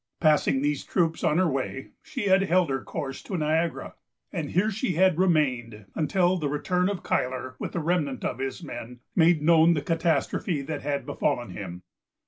Passing these troops on her way, she had held her course to Niagara; and here she had remained until the return of Cuyler, with the remnant of his men, made known the catastrophe that had befallen him.